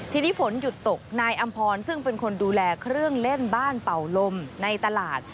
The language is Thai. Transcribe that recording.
ทีนี้ฝนหยุดตกนายอำพรซึ่งเป็นคนดูแลเครื่องเล่นบ้านเป่าลมในตลาด